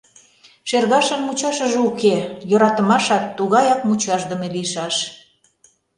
Шергашын мучашыже уке, йӧратымашат тугаяк мучашдыме лийшаш.